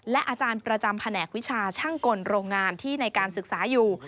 และอาจารย์ประจำแผนกวิชาช่างกลโรงงานที่ในการศึกษาอยู่